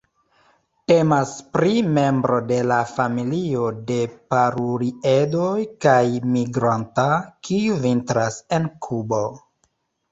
Temas pri membro de la familio de Paruliedoj kaj migranta, kiu vintras en Kubo.